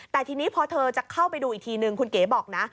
แต่ทีนี้พอเธอจะเข้าไปดูอีกทีนึงคุณเก๋บอกนะ